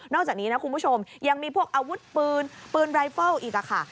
จากนี้นะคุณผู้ชมยังมีพวกอาวุธปืนปืนรายเฟิลอีกค่ะ